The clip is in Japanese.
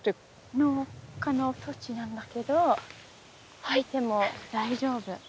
農家の土地なんだけど入っても大丈夫。